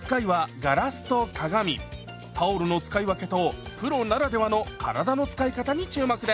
タオルの使い分けとプロならではの体の使い方に注目です！